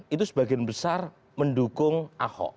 itu sebagian besar mendukung ahok